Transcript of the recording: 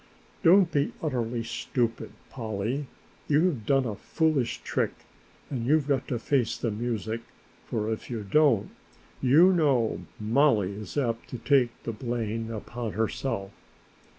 "Don't be utterly stupid, Polly, you have done a foolish trick and you've got to face the music, for if you don't, you know Mollie is apt to take the blame upon herself."